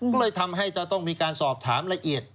ก็เลยทำให้จะต้องมีการสอบถามละเอียด